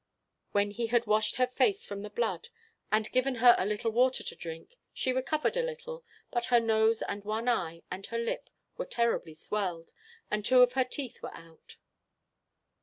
When he had washed her face from the blood, and given her a little water to drink, she recovered a little; but her nose and one eye, and her lip, were terribly swelled, and two of her teeth were out.